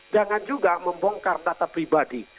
jangan juga membongkar data pribadi